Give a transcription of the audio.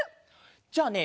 じゃあね